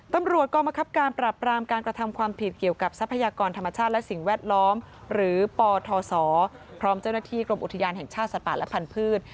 กรมคับการปรับรามการกระทำความผิดเกี่ยวกับทรัพยากรธรรมชาติและสิ่งแวดล้อมหรือปทศพร้อมเจ้าหน้าที่กรมอุทยานแห่งชาติสัตว์ป่าและพันธุ์